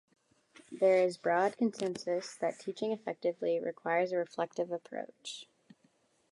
There is broad consensus that teaching effectively requires a reflective approach.